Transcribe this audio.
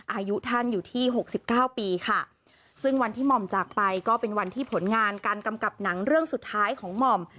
อายุท่านอยู่ที่หกสิบเก้าปีค่ะซึ่งวันที่หม่อมจากไปก็เป็นวันที่ผลงานการกำกับหนังเรื่องสุดท้ายของหม่อม